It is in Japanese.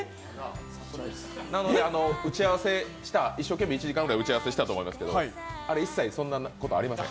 なので、一生懸命１時間くらい打ち合わせをしたと思いますけど、あれ一切、そんなことはありません